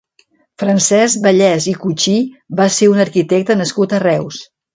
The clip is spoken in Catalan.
Francesc Vallès i Cuchí va ser un arquitecte nascut a Reus.